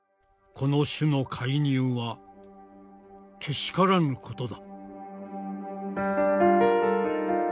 「この種の介入は怪しからぬことだ」。